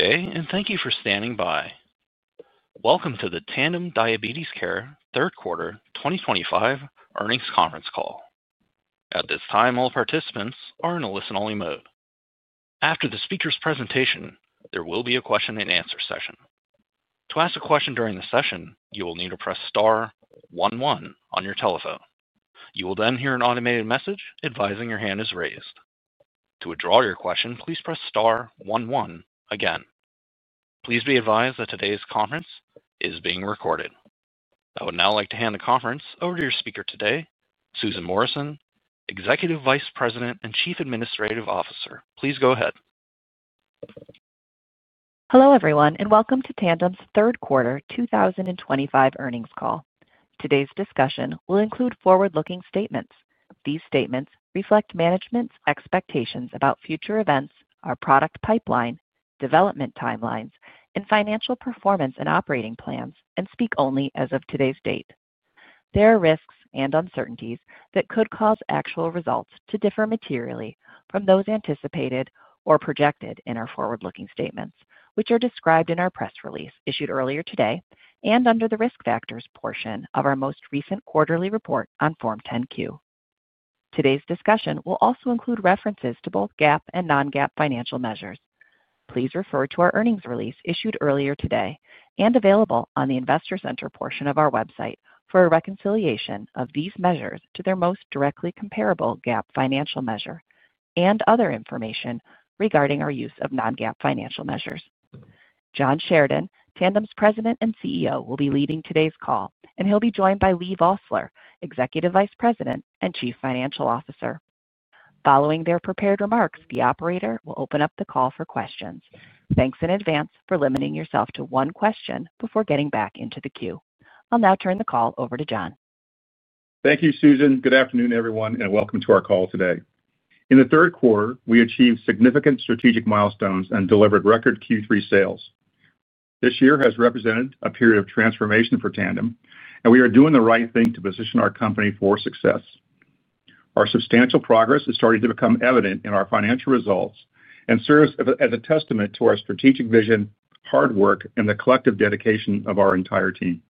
Today, and thank you for standing by. Welcome to the Tandem Diabetes Care third quarter 2025 earnings conference call. At this time, all participants are in a listen-only mode. After the speaker's presentation, there will be a question-and-answer session. To ask a question during the session, you will need to press star one one on your telephone. You will then hear an automated message advising your hand is raised. To withdraw your question, please press star one one again. Please be advised that today's conference is being recorded. I would now like to hand the conference over to your speaker today, Susan Morrison, Executive Vice President and Chief Administrative Officer. Please go ahead. Hello everyone, and welcome to Tandem's third quarter 2025 earnings call. Today's discussion will include forward-looking statements. These statements reflect management's expectations about future events, our product pipeline, development timelines, and financial performance and operating plans, and speak only as of today's date. There are risks and uncertainties that could cause actual results to differ materially from those anticipated or projected in our forward-looking statements, which are described in our press release issued earlier today and under the risk factors portion of our most recent quarterly report on Form 10-Q. Today's discussion will also include references to both GAAP and non-GAAP financial measures. Please refer to our earnings release issued earlier today and available on the Investor Center portion of our website for a reconciliation of these measures to their most directly comparable GAAP financial measure and other information regarding our use of non-GAAP financial measures. John Sheridan, Tandem's President and CEO, will be leading today's call, and he'll be joined by Leigh Vosseller, Executive Vice President and Chief Financial Officer. Following their prepared remarks, the operator will open up the call for questions. Thanks in advance for limiting yourself to one question before getting back into the queue. I'll now turn the call over to John. Thank you, Susan. Good afternoon, everyone, and welcome to our call today. In the third quarter, we achieved significant strategic milestones and delivered record Q3 sales. This year has represented a period of transformation for Tandem, and we are doing the right thing to position our company for success. Our substantial progress is starting to become evident in our financial results and serves as a testament to our strategic vision, hard work, and the collective dedication of our entire team.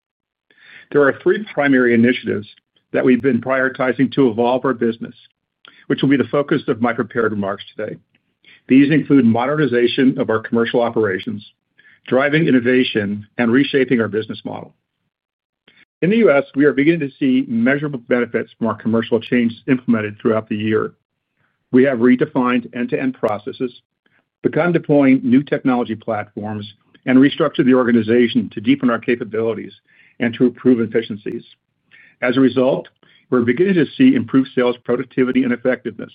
There are three primary initiatives that we've been prioritizing to evolve our business, which will be the focus of my prepared remarks today. These include modernization of our commercial operations, driving innovation, and reshaping our business model. In the U.S., we are beginning to see measurable benefits from our commercial changes implemented throughout the year. We have redefined end-to-end processes, begun deploying new technology platforms, and restructured the organization to deepen our capabilities and to improve efficiencies. As a result, we're beginning to see improved sales productivity and effectiveness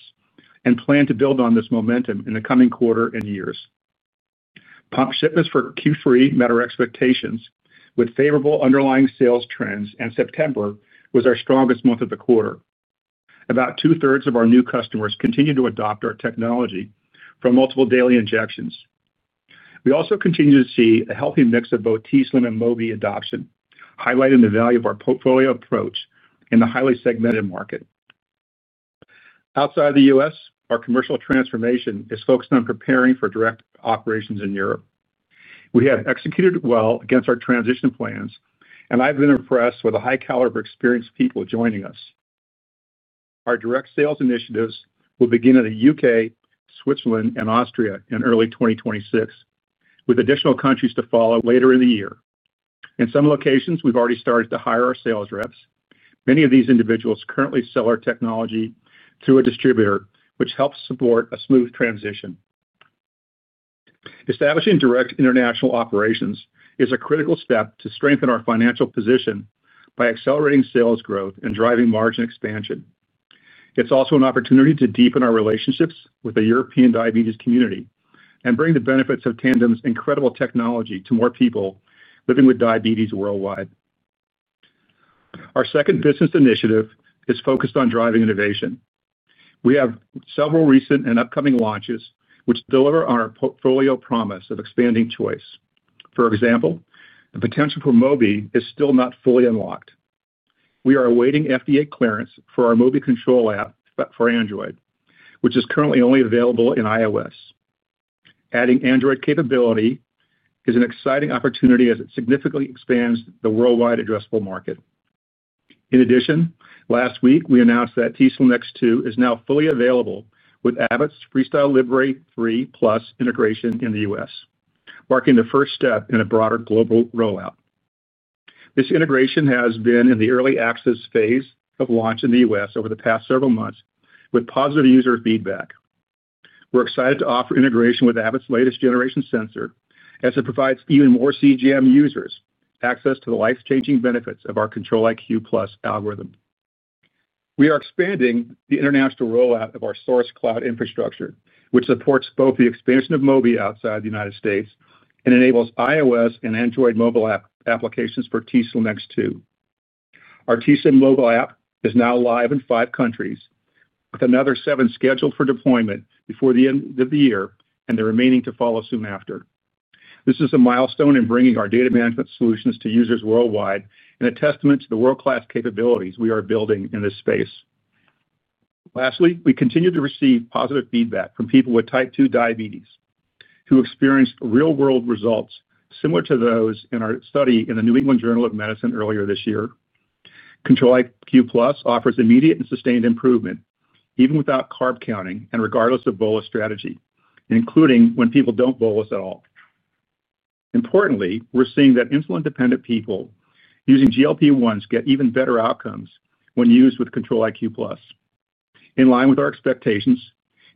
and plan to build on this momentum in the coming quarter and years. Pump shipments for Q3 met our expectations with favorable underlying sales trends, and September was our strongest month of the quarter. About 2/3 of our new customers continued to adopt our technology from multiple daily injections. We also continue to see a healthy mix of both t:slim and Mobi adoption, highlighting the value of our portfolio approach in the highly segmented market. Outside of the U.S., our commercial transformation is focused on preparing for direct operations in Europe. We have executed well against our transition plans, and I've been impressed with the high caliber experienced people joining us. Our direct sales initiatives will begin in the U.K., Switzerland, and Austria in early 2026, with additional countries to follow later in the year. In some locations, we've already started to hire our sales reps. Many of these individuals currently sell our technology through a distributor, which helps support a smooth transition. Establishing direct international operations is a critical step to strengthen our financial position by accelerating sales growth and driving margin expansion. It's also an opportunity to deepen our relationships with the European diabetes community and bring the benefits of Tandem's incredible technology to more people living with diabetes worldwide. Our second business initiative is focused on driving innovation. We have several recent and upcoming launches, which deliver on our portfolio promise of expanding choice. For example, the potential for Mobi is still not fully unlocked. We are awaiting FDA clearance for our Mobi Control app for Android, which is currently only available in iOS. Adding Android capability is an exciting opportunity as it significantly expands the worldwide addressable market. In addition, last week, we announced that t:slim X2 is now fully available with Abbott's FreeStyle Libre 3+ integration in the U.S., marking the first step in a broader global rollout. This integration has been in the early access phase of launch in the U.S. over the past several months, with positive user feedback. We're excited to offer integration with Abbott's latest generation sensor, as it provides even more CGM users access to the life-changing benefits of our Control-IQ+ algorithm. We are expanding the international rollout of our source cloud infrastructure, which supports both the expansion of Mobi outside the United States and enables iOS and Android mobile app applications for t:slim X2. Our t:slim mobile app is now live in five countries, with another seven scheduled for deployment before the end of the year and the remaining to follow soon after. This is a milestone in bringing our data management solutions to users worldwide and a testament to the world-class capabilities we are building in this space. Lastly, we continue to receive positive feedback from people with Type 2 diabetes who experienced real-world results similar to those in our study in the New England Journal of Medicine earlier this year. Control-IQ+ offers immediate and sustained improvement, even without carb counting and regardless of bolus strategy, including when people don't bolus at all. Importantly, we're seeing that insulin-dependent people using GLP-1s get even better outcomes when used with Control-IQ+. In line with our expectations,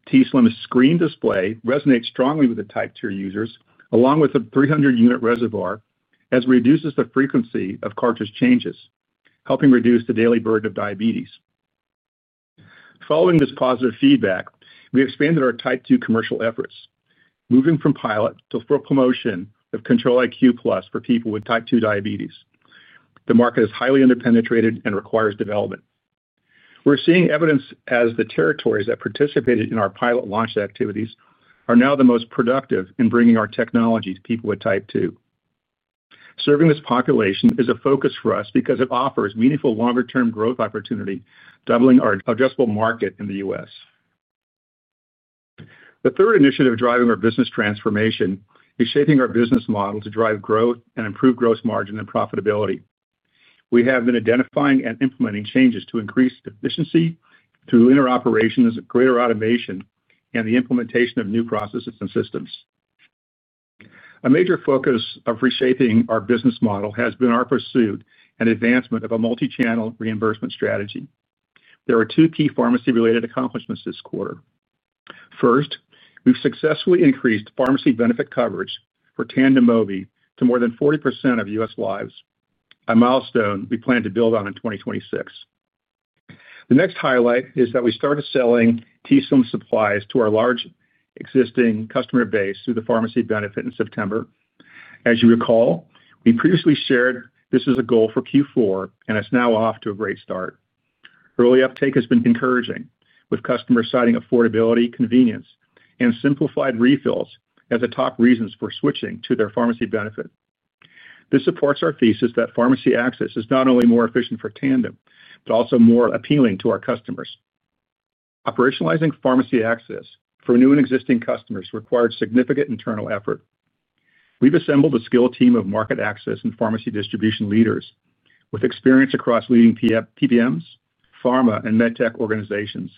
t:slim's screen display resonates strongly with the Type 2 users, along with a 300-unit reservoir, as it reduces the frequency of cartridge changes, helping reduce the daily burden of diabetes. Following this positive feedback, we expanded our Type 2 commercial efforts, moving from pilot to full promotion of Control-IQ+ for people with Type 2 diabetes. The market is highly underpenetrated and requires development. We're seeing evidence as the territories that participated in our pilot launch activities are now the most productive in bringing our technology to people with Type 2. Serving this population is a focus for us because it offers meaningful longer-term growth opportunity, doubling our addressable market in the U.S. The third initiative driving our business transformation is shaping our business model to drive growth and improve gross margin and profitability. We have been identifying and implementing changes to increase efficiency through interoperations, greater automation, and the implementation of new processes and systems. A major focus of reshaping our business model has been our pursuit and advancement of a multi-channel reimbursement strategy. There are two key pharmacy-related accomplishments this quarter. First, we've successfully increased pharmacy benefit coverage for Tandem Mobi to more than 40% of U.S. lives, a milestone we plan to build on in 2026. The next highlight is that we started selling t:slim supplies to our large existing customer base through the pharmacy benefit in September. As you recall, we previously shared this is a goal for Q4, and it's now off to a great start. Early uptake has been encouraging, with customers citing affordability, convenience, and simplified refills as the top reasons for switching to their pharmacy benefit. This supports our thesis that pharmacy access is not only more efficient for Tandem, but also more appealing to our customers. Operationalizing pharmacy access for new and existing customers required significant internal effort. We've assembled a skilled team of market access and pharmacy distribution leaders with experience across leading PBMs, pharma, and medtech organizations,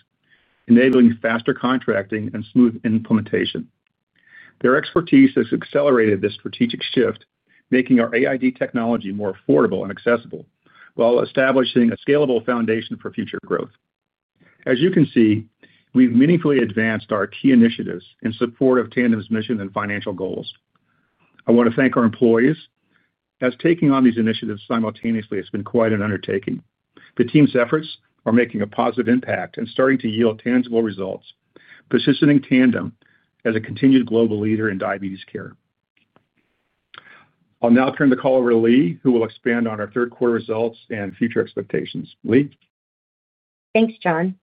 enabling faster contracting and smooth implementation. Their expertise has accelerated this strategic shift, making our AID technology more affordable and accessible while establishing a scalable foundation for future growth. As you can see, we've meaningfully advanced our key initiatives in support of Tandem's mission and financial goals. I want to thank our employees, as taking on these initiatives simultaneously has been quite an undertaking. The team's efforts are making a positive impact and starting to yield tangible results, positioning Tandem as a continued global leader in diabetes care. I'll now turn the call over to Leigh, who will expand on our third-quarter results and future expectations. Leigh. Thanks, John.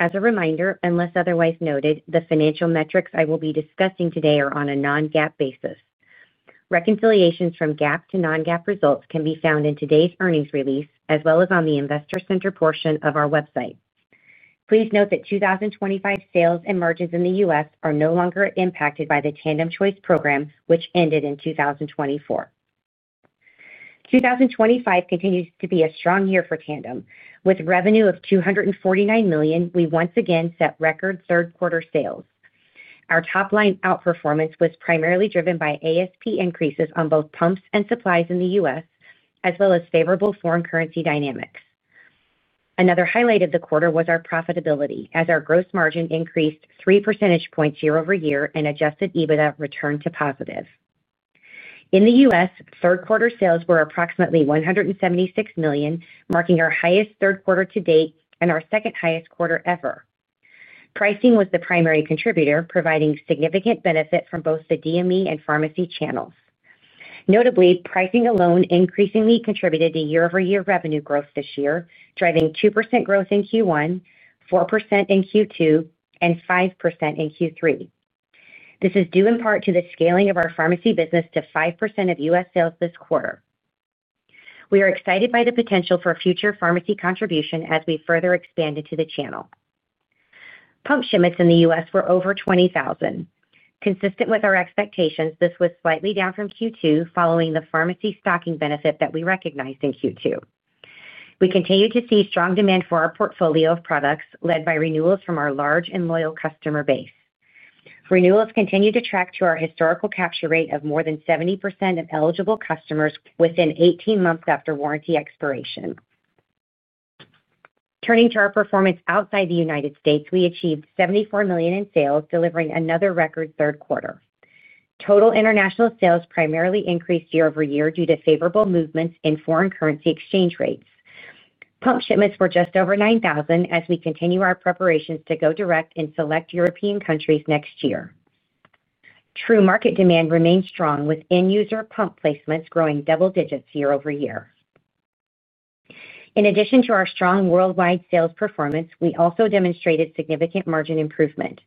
As a reminder, unless otherwise noted, the financial metrics I will be discussing today are on a non-GAAP basis. Reconciliations from GAAP to non-GAAP results can be found in today's earnings release, as well as on the Investor Center portion of our website. Please note that 2025 sales and margins in the U.S. are no longer impacted by the Tandem Choice Program, which ended in 2024. 2025 continues to be a strong year for Tandem. With revenue of $249 million, we once again set record third-quarter sales. Our top-line outperformance was primarily driven by ASP increases on both pumps and supplies in the U.S., as well as favorable foreign currency dynamics. Another highlight of the quarter was our profitability, as our gross margin increased 3 percentage points year-over-year and adjusted EBITDA returned to positive. In the U.S., third-quarter sales were approximately $176 million, marking our highest third quarter to date and our second highest quarter ever. Pricing was the primary contributor, providing significant benefit from both the DME and pharmacy channels. Notably, pricing alone increasingly contributed to year-over-year revenue growth this year, driving 2% growth in Q1, 4% in Q2, and 5% in Q3. This is due in part to the scaling of our pharmacy business to 5% of U.S. sales this quarter. We are excited by the potential for future pharmacy contribution as we further expand into the channel. Pump shipments in the U.S. were over 20,000. Consistent with our expectations, this was slightly down from Q2, following the pharmacy stocking benefit that we recognized in Q2. We continue to see strong demand for our portfolio of products, led by renewals from our large and loyal customer base. Renewals continue to track to our historical capture rate of more than 70% of eligible customers within 18 months after warranty expiration. Turning to our performance outside the United States, we achieved $74 million in sales, delivering another record third quarter. Total international sales primarily increased year-over-year due to favorable movements in foreign currency exchange rates. Pump shipments were just over 9,000 as we continue our preparations to go direct in select European countries next year. True market demand remained strong, with end-user pump placements growing double digits year-over-year. In addition to our strong worldwide sales performance, we also demonstrated significant margin improvement.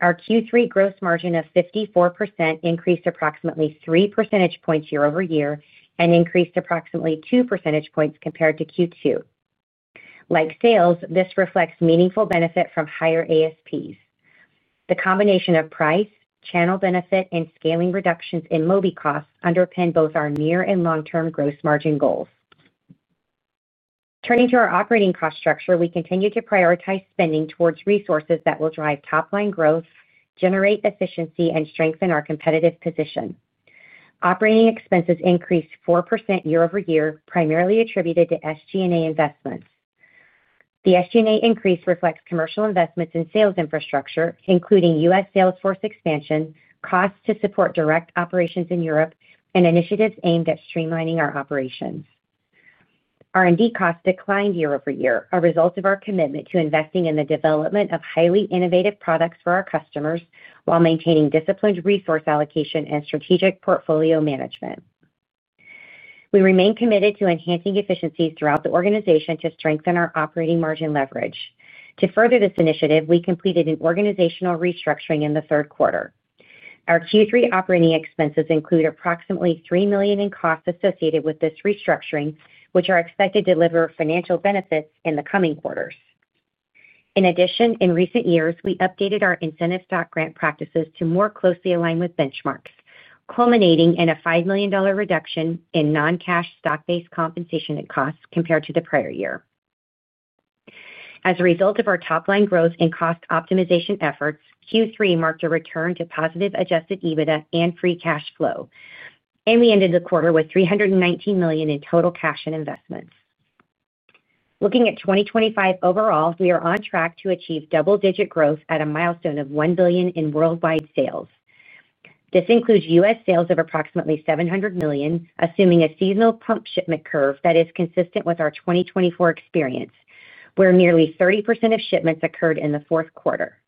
Our Q3 gross margin of 54% increased approximately 3 percentage points year-over-year and increased approximately 2 percentage points compared to Q2. Like sales, this reflects meaningful benefit from higher ASPs. The combination of price, channel benefit, and scaling reductions in Mobi costs underpin both our near and long-term gross margin goals. Turning to our operating cost structure, we continue to prioritize spending towards resources that will drive top-line growth, generate efficiency, and strengthen our competitive position. Operating expenses increased 4% year-over-year, primarily attributed to SG&A investments. The SG&A increase reflects commercial investments in sales infrastructure, including U.S. Salesforce expansion, costs to support direct operations in Europe, and initiatives aimed at streamlining our operations. R&D costs declined year-over-year, a result of our commitment to investing in the development of highly innovative products for our customers while maintaining disciplined resource allocation and strategic portfolio management. We remain committed to enhancing efficiencies throughout the organization to strengthen our operating margin leverage. To further this initiative, we completed an organizational restructuring in the third quarter. Our Q3 operating expenses include approximately $3 million in costs associated with this restructuring, which are expected to deliver financial benefits in the coming quarters. In addition, in recent years, we updated our incentive stock grant practices to more closely align with benchmarks, culminating in a $5 million reduction in non-cash stock-based compensation and costs compared to the prior year. As a result of our top-line growth and cost optimization efforts, Q3 marked a return to positive adjusted EBITDA and free cash flow, and we ended the quarter with $319 million in total cash and investments. Looking at 2025 overall, we are on track to achieve double-digit growth at a milestone of $1 billion in worldwide sales. This includes U.S. sales of approximately $700 million, assuming a seasonal pump shipment curve that is consistent with our 2024 experience, where nearly 30% of shipments occurred in the fourth quarter.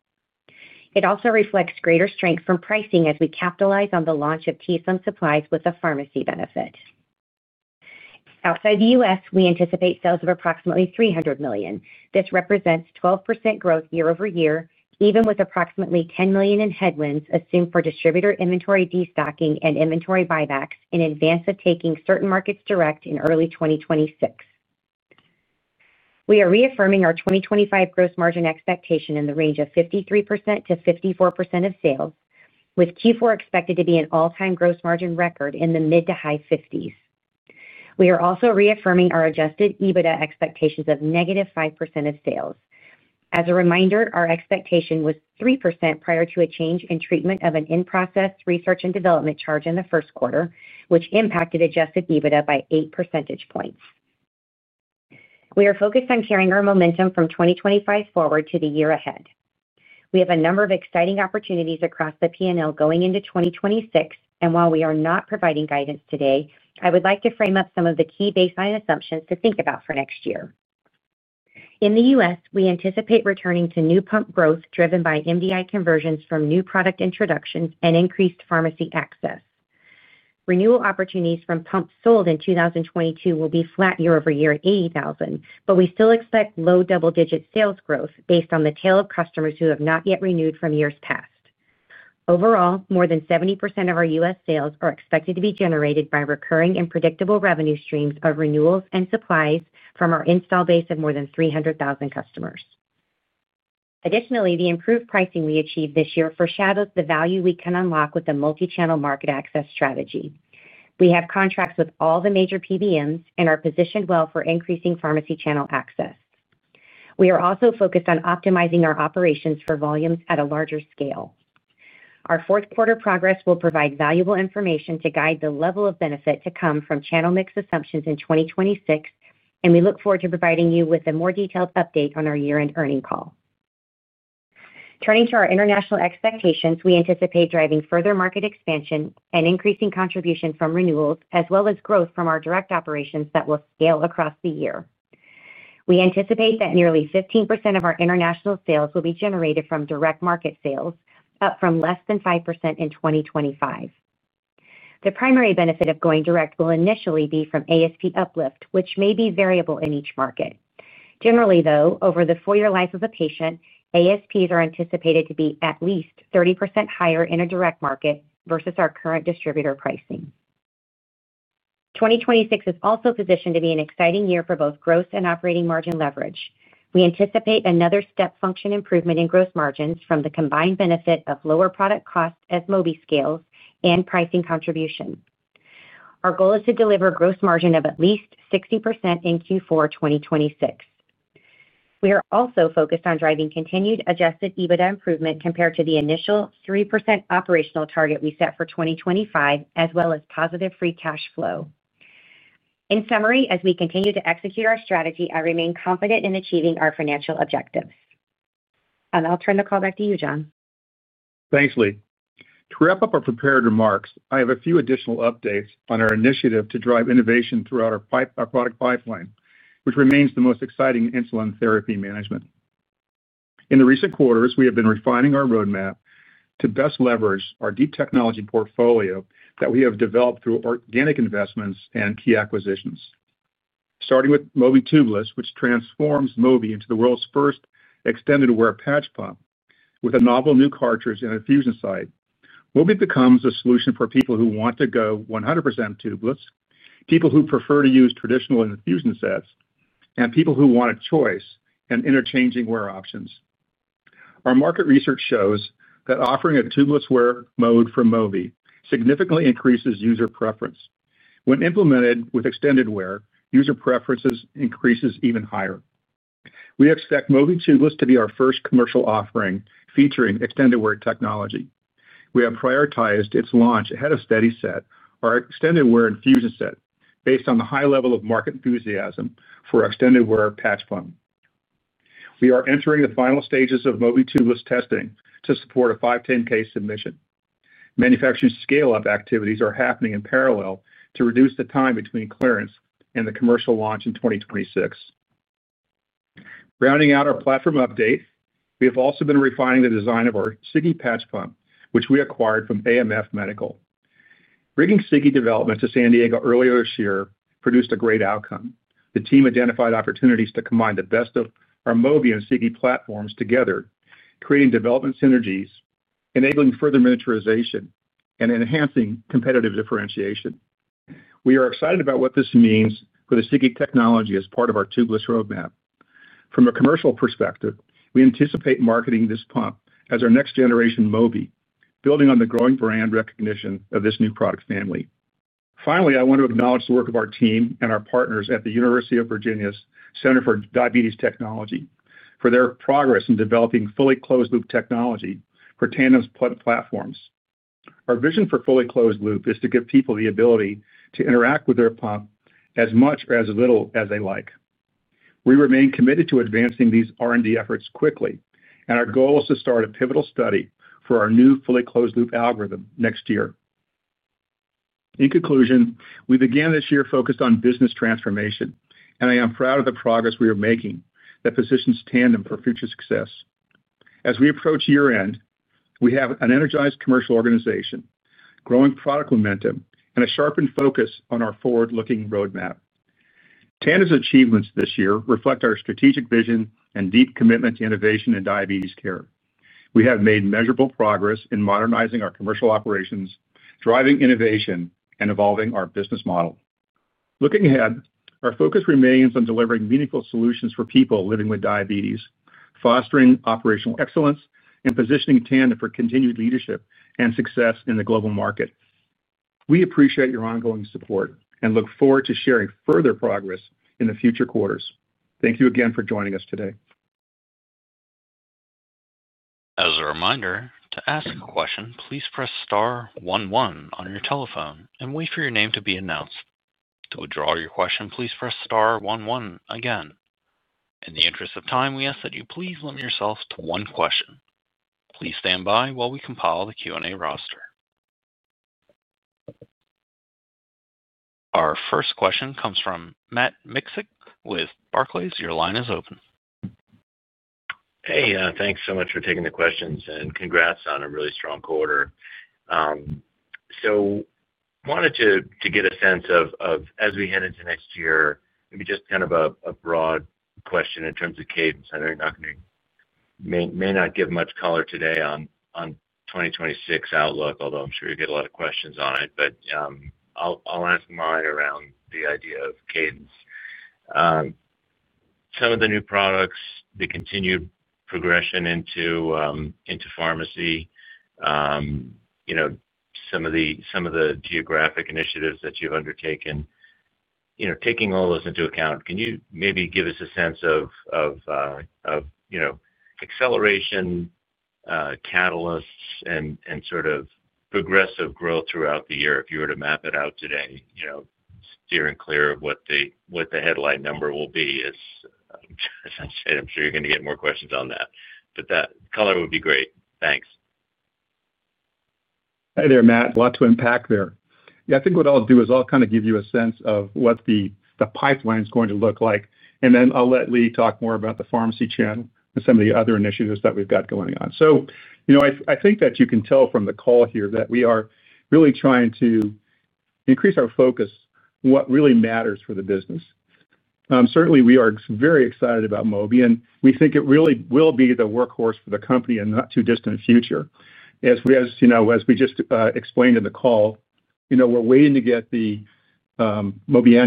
It also reflects greater strength from pricing as we capitalize on the launch of t:slim supplies with a pharmacy benefit. Outside the U.S., we anticipate sales of approximately $300 million. This represents 12% growth year-over-year, even with approximately $10 million in headwinds assumed for distributor inventory destocking and inventory buybacks in advance of taking certain markets direct in early 2026. We are reaffirming our 2025 gross margin expectation in the range of 53%-54% of sales, with Q4 expected to be an all-time gross margin record in the mid to high 50s. We are also reaffirming our adjusted EBITDA expectations of -5% of sales. As a reminder, our expectation was 3% prior to a change in treatment of an in-process research and development charge in the first quarter, which impacted adjusted EBITDA by 8 percentage points. We are focused on carrying our momentum from 2025 forward to the year ahead. We have a number of exciting opportunities across the P&L going into 2026, and while we are not providing guidance today, I would like to frame up some of the key baseline assumptions to think about for next year. In the U.S., we anticipate returning to new pump growth driven by MDI conversions from new product introductions and increased pharmacy access. Renewal opportunities from pumps sold in 2022 will be flat year-over-year at $80,000, but we still expect low double-digit sales growth based on the tail of customers who have not yet renewed from years past. Overall, more than 70% of our U.S. sales are expected to be generated by recurring and predictable revenue streams of renewals and supplies from our install base of more than 300,000 customers. Additionally, the improved pricing we achieved this year foreshadows the value we can unlock with a multi-channel market access strategy. We have contracts with all the major PBMs and are positioned well for increasing pharmacy channel access. We are also focused on optimizing our operations for volumes at a larger scale. Our fourth quarter progress will provide valuable information to guide the level of benefit to come from channel mix assumptions in 2026, and we look forward to providing you with a more detailed update on our year-end earnings call. Turning to our international expectations, we anticipate driving further market expansion and increasing contribution from renewals, as well as growth from our direct operations that will scale across the year. We anticipate that nearly 15% of our international sales will be generated from direct market sales, up from less than 5% in 2025. The primary benefit of going direct will initially be from ASP uplift, which may be variable in each market. Generally, though, over the four-year life of a patient, ASPs are anticipated to be at least 30% higher in a direct market versus our current distributor pricing. 2026 is also positioned to be an exciting year for both gross and operating margin leverage. We anticipate another step function improvement in gross margins from the combined benefit of lower product cost as Mobi scales and pricing contribution. Our goal is to deliver gross margin of at least 60% in Q4 2026. We are also focused on driving continued adjusted EBITDA improvement compared to the initial 3% operational target we set for 2025, as well as positive free cash flow. In summary, as we continue to execute our strategy, I remain confident in achieving our financial objectives. I'll turn the call back to you, John. Thanks, Leigh. To wrap up our prepared remarks, I have a few additional updates on our initiative to drive innovation throughout our product pipeline, which remains the most exciting in insulin therapy management. In the recent quarters, we have been refining our roadmap to best leverage our deep technology portfolio that we have developed through organic investments and key acquisitions. Starting with Mobi Tubeless, which transforms Mobi into the world's first extended-wear patch pump with a novel new cartridge and infusion site, Mobi becomes a solution for people who want to go 100% Tubeless, people who prefer to use traditional infusion sets, and people who want a choice in interchanging wear options. Our market research shows that offering a Tubeless wear mode for Mobi significantly increases user preference. When implemented with extended wear, user preferences increase even higher. We expect Mobi Tubeless to be our first commercial offering featuring extended wear technology. We have prioritized its launch ahead of SteadiSet, our extended wear infusion set, based on the high level of market enthusiasm for extended wear patch pump. We are entering the final stages of Mobi Tubeless testing to support a 510(k) submission. Manufacturing scale-up activities are happening in parallel to reduce the time between clearance and the commercial launch in 2026. Rounding out our platform update, we have also been refining the design of our Sigi Patch Pump, which we acquired from AMF Medical. Bringing Sigi development to San Diego earlier this year produced a great outcome. The team identified opportunities to combine the best of our Mobi and Sigi platforms together, creating development synergies, enabling further miniaturization, and enhancing competitive differentiation. We are excited about what this means for the Sigi technology as part of our Tubeless roadmap. From a commercial perspective, we anticipate marketing this pump as our next-generation Mobi, building on the growing brand recognition of this new product family. Finally, I want to acknowledge the work of our team and our partners at the University of Virginia's Center for Diabetes Technology for their progress in developing fully closed-loop technology for Tandem pump platforms. Our vision for fully closed-loop is to give people the ability to interact with their pump as much or as little as they like. We remain committed to advancing these R&D efforts quickly, and our goal is to start a pivotal study for our new fully closed-loop algorithm next year. In conclusion, we began this year focused on business transformation, and I am proud of the progress we are making that positions Tandem for future success. As we approach year-end, we have an energized commercial organization, growing product momentum, and a sharpened focus on our forward-looking roadmap. Tandem's achievements this year reflect our strategic vision and deep commitment to innovation in diabetes care. We have made measurable progress in modernizing our commercial operations, driving innovation, and evolving our business model. Looking ahead, our focus remains on delivering meaningful solutions for people living with diabetes, fostering operational excellence, and positioning Tandem for continued leadership and success in the global market. We appreciate your ongoing support and look forward to sharing further progress in the future quarters. Thank you again for joining us today. As a reminder, to ask a question, please press star one one on your telephone and wait for your name to be announced. To withdraw your question, please press star one one again. In the interest of time, we ask that you please limit yourself to one question. Please stand by while we compile the Q&A roster. Our first question comes from Matt Miksic with Barclays. Your line is open. Hey, thanks so much for taking the questions, and congrats on a really strong quarter. Wanted to get a sense of, as we head into next year, maybe just kind of a broad question in terms of cadence. I know you're not going to, may not give much color today on 2026 outlook, although I'm sure you'll get a lot of questions on it. I'll ask mine around the idea of cadence. Some of the new products, the continued progression into pharmacy, some of the geographic initiatives that you've undertaken. Taking all those into account, can you maybe give us a sense of acceleration, catalysts, and sort of progressive growth throughout the year if you were to map it out today, steering clear of what the headline number will be. As I said, I'm sure you're going to get more questions on that, but that color would be great. Thanks. Hey there, Matt. A lot to unpack there. Yeah, I think what I'll do is I'll kind of give you a sense of what the pipeline is going to look like, and then I'll let Leigh talk more about the pharmacy channel and some of the other initiatives that we've got going on. I think that you can tell from the call here that we are really trying to increase our focus on what really matters for the business. Certainly, we are very excited about Mobi, and we think it really will be the workhorse for the company in the not-too-distant future. As we just explained in the call, we're waiting to get the Mobi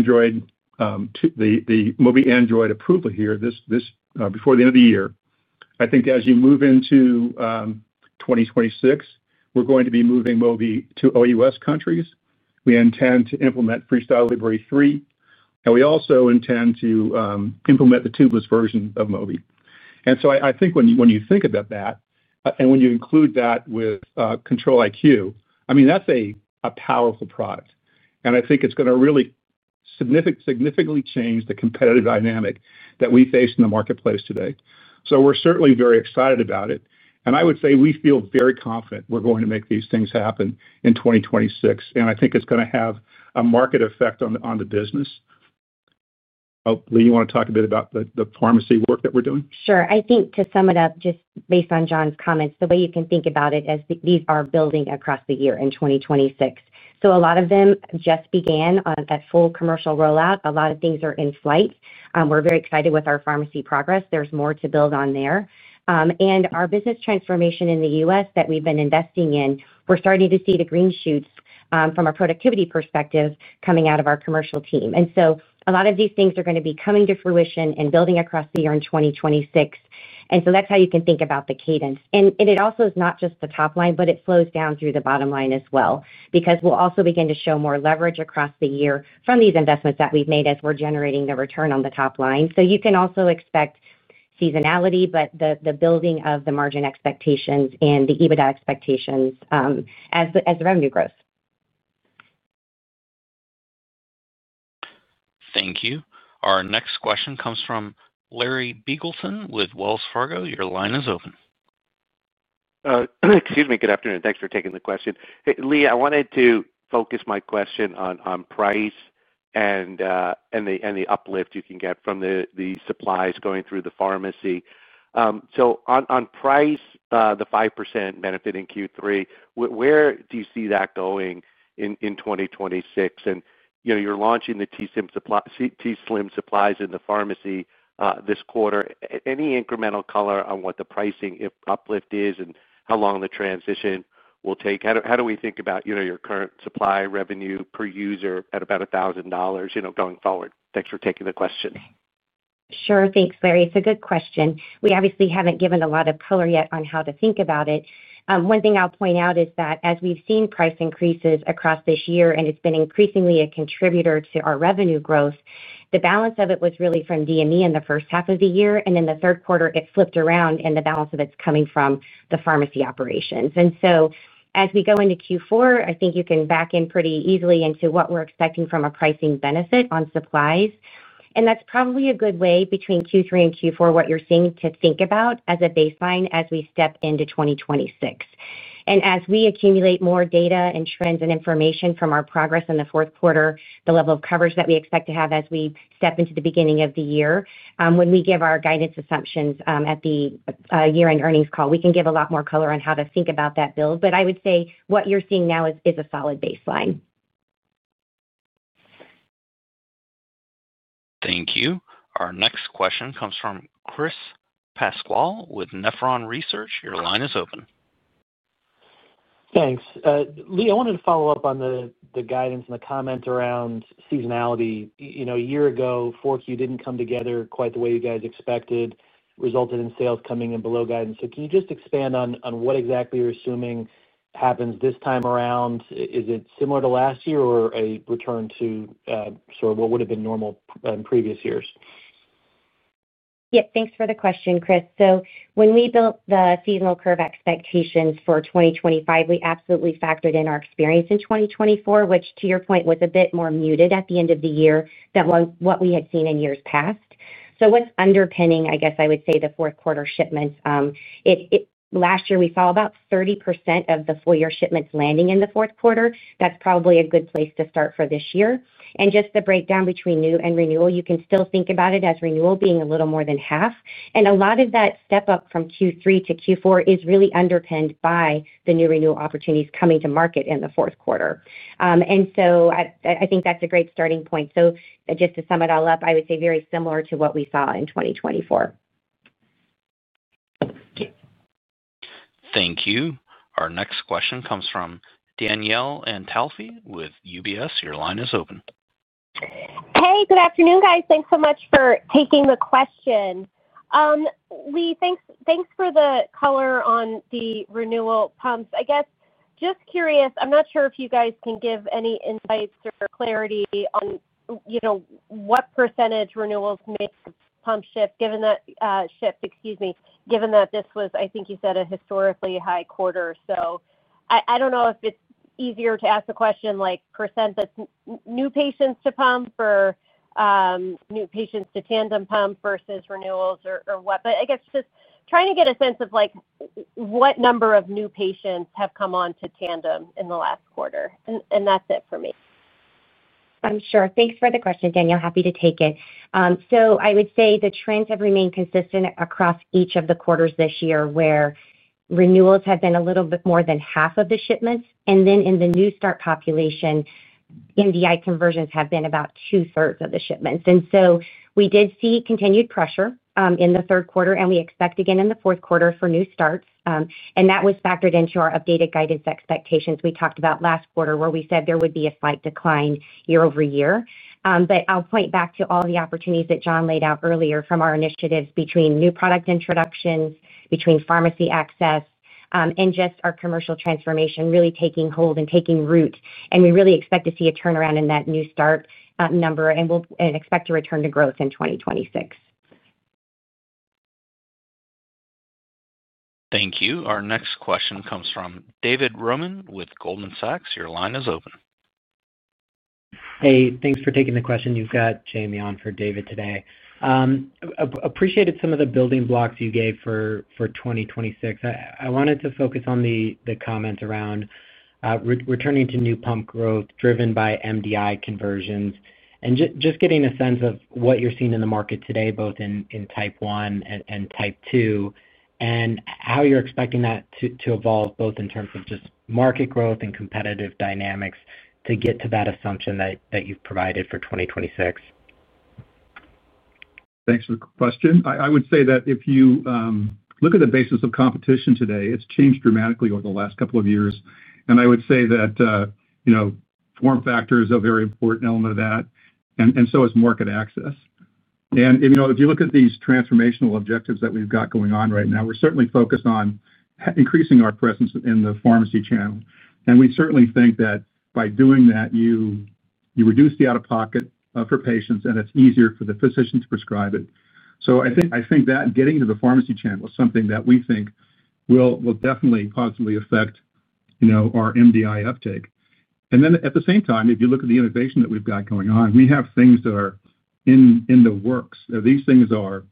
Android approval here before the end of the year. I think as you move into 2026, we're going to be moving Mobi to OUS countries. We intend to implement FreeStyle Libre 3, and we also intend to implement the Tubeless version of Mobi. I think when you think about that and when you include that with Control-IQ, I mean, that's a powerful product, and I think it's going to really significantly change the competitive dynamic that we face in the marketplace today. We're certainly very excited about it, and I would say we feel very confident we're going to make these things happen in 2026, and I think it's going to have a market effect on the business. Leigh, you want to talk a bit about the pharmacy work that we're doing? Sure. I think to sum it up, just based on John's comments, the way you can think about it is these are building across the year in 2026. A lot of them just began at full commercial rollout. A lot of things are in flight. We're very excited with our pharmacy progress. There's more to build on there. Our business transformation in the U.S. that we've been investing in, we're starting to see the green shoots from a productivity perspective coming out of our commercial team. A lot of these things are going to be coming to fruition and building across the year in 2026. That's how you can think about the cadence. It also is not just the top line, but it flows down through the bottom line as well, because we will also begin to show more leverage across the year from these investments that we have made as we are generating the return on the top line. You can also expect seasonality, but the building of the margin expectations and the EBITDA expectations as the revenue grows. Thank you. Our next question comes from Larry Beagleton with Wells Fargo. Your line is open. Excuse me. Good afternoon. Thanks for taking the question. Leigh, I wanted to focus my question on price and the uplift you can get from the supplies going through the pharmacy. On price, the 5% benefit in Q3, where do you see that going in 2026? You're launching the t:slim supplies in the pharmacy this quarter. Any incremental color on what the pricing uplift is and how long the transition will take? How do we think about your current supply revenue per user at about $1,000 going forward? Thanks for taking the question. Sure. Thanks, Larry. It's a good question. We obviously haven't given a lot of color yet on how to think about it. One thing I'll point out is that as we've seen price increases across this year and it's been increasingly a contributor to our revenue growth, the balance of it was really from DME in the first half of the year, and in the third quarter, it flipped around and the balance of it's coming from the pharmacy operations. As we go into Q4, I think you can back in pretty easily into what we're expecting from a pricing benefit on supplies. That's probably a good way between Q3 and Q4, what you're seeing to think about as a baseline as we step into 2026. As we accumulate more data and trends and information from our progress in the fourth quarter, the level of coverage that we expect to have as we step into the beginning of the year, when we give our guidance assumptions at the year-end earnings call, we can give a lot more color on how to think about that build. I would say what you're seeing now is a solid baseline. Thank you. Our next question comes from Chris Pasquale with Nephron Research. Your line is open. Thanks. Leigh, I wanted to follow up on the guidance and the comment around seasonality. A year ago, 4Q did not come together quite the way you guys expected, resulted in sales coming in below guidance. Can you just expand on what exactly you are assuming happens this time around? Is it similar to last year or a return to sort of what would have been normal in previous years? Yes, thanks for the question, Chris. When we built the seasonal curve expectations for 2025, we absolutely factored in our experience in 2024, which, to your point, was a bit more muted at the end of the year than what we had seen in years past. What is underpinning, I guess I would say, the fourth-quarter shipments? Last year, we saw about 30% of the full-year shipments landing in the fourth quarter. That is probably a good place to start for this year. Just the breakdown between new and renewal, you can still think about it as renewal being a little more than half. A lot of that step-up from Q3 to Q4 is really underpinned by the new renewal opportunities coming to market in the fourth quarter. I think that is a great starting point. Just to sum it all up, I would say very similar to what we saw in 2024. Thank you. Our next question comes from Danielle Antalffy with UBS. Your line is open. Hey, good afternoon, guys. Thanks so much for taking the question. Leigh, thanks for the color on the renewal pumps. I guess just curious, I'm not sure if you guys can give any insights or clarity on what percentage renewals make pump shifts, given that shifts, excuse me, given that this was, I think you said, a historically high quarter. I don't know if it's easier to ask the question like percent that's new patients to pump or new patients to Tandem pump versus renewals or what. I guess just trying to get a sense of what number of new patients have come on to Tandem in the last quarter. And that's it for me. Sure. Thanks for the question, Danielle. Happy to take it. I would say the trends have remained consistent across each of the quarters this year where renewals have been a little bit more than half of the shipments. In the new start population, MDI conversions have been about 2/3 of the shipments. We did see continued pressure in the third quarter, and we expect again in the fourth quarter for new starts. That was factored into our updated guidance expectations we talked about last quarter where we said there would be a slight decline year-over-year. I will point back to all the opportunities that John laid out earlier from our initiatives between new product introductions, between pharmacy access, and just our commercial transformation really taking hold and taking root. We really expect to see a turnaround in that new start number and expect to return to growth in 2026. Thank you. Our next question comes from David Roman with Goldman Sachs. Your line is open. Hey, thanks for taking the question. You've got Jamie on for David today. Appreciated some of the building blocks you gave for 2026. I wanted to focus on the comments around returning to new pump growth driven by MDI conversions and just getting a sense of what you're seeing in the market today, both in Type 1 and Type 2, and how you're expecting that to evolve both in terms of just market growth and competitive dynamics to get to that assumption that you've provided for 2026. Thanks for the question. I would say that if you look at the basis of competition today, it's changed dramatically over the last couple of years. I would say that form factors are a very important element of that, and so is market access. If you look at these transformational objectives that we've got going on right now, we're certainly focused on increasing our presence in the pharmacy channel. We certainly think that by doing that, you reduce the out-of-pocket for patients, and it's easier for the physician to prescribe it. I think that getting to the pharmacy channel is something that we think will definitely positively affect our MDI uptake. At the same time, if you look at the innovation that we've got going on, we have things that are in the works. These things are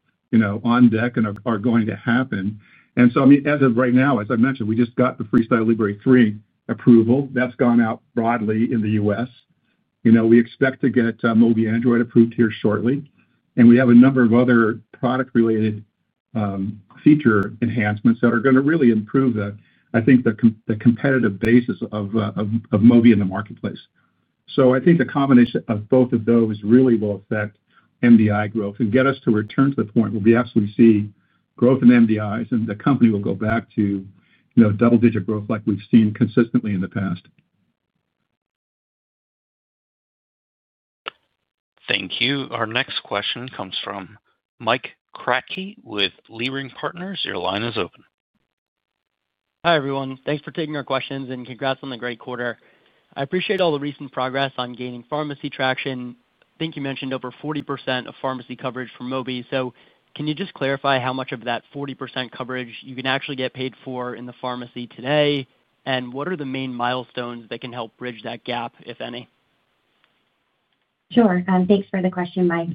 on deck and are going to happen. I mean, as of right now, as I mentioned, we just got the FreeStyle Libre 3 approval. That's gone out broadly in the U.S. We expect to get Mobi Android approved here shortly. We have a number of other product-related feature enhancements that are going to really improve, I think, the competitive basis of Mobi in the marketplace. I think the combination of both of those really will affect MDI growth and get us to return to the point where we absolutely see growth in MDIs, and the company will go back to double-digit growth like we've seen consistently in the past. Thank you. Our next question comes from Mike Kratky with Leerink Partners. Your line is open. Hi, everyone. Thanks for taking our questions, and congrats on the great quarter. I appreciate all the recent progress on gaining pharmacy traction. I think you mentioned over 40% of pharmacy coverage for Mobi. Can you just clarify how much of that 40% coverage you can actually get paid for in the pharmacy today, and what are the main milestones that can help bridge that gap, if any? Sure. Thanks for the question, Mike.